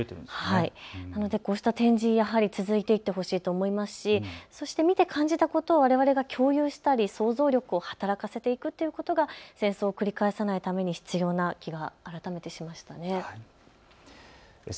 なのでこうした展示、やはり続いていってほしいと思いますし、見て感じたことをわれわれが共有したり、想像力を働かせていくということが戦争を繰り返さないために必要な気が改めてします。